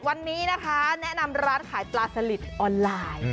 วันนี้นะคะแนะนำร้านขายปลาสลิดออนไลน์